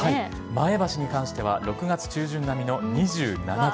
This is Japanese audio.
前橋に関しては、６月中旬並みの２７度。